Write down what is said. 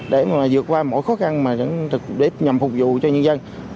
để mà vượt qua mỗi khó khăn mà để nhằm phục vụ cho nhân dân